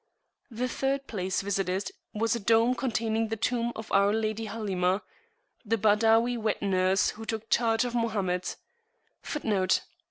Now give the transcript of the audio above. The third place visited was a dome containing the tomb of our lady Halimah, the Badawi wet nurse who took charge of Mohammed[FN#19]: [p.